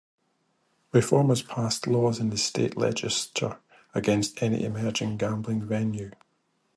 Reformers passed laws in the state legislature against any emerging gambling venue.